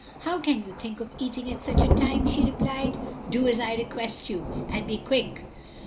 "How can you think of eating at such a time?" she replied. "Do as I request you, and be quick."